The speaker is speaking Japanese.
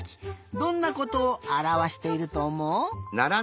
どんなことをあらわしているとおもう？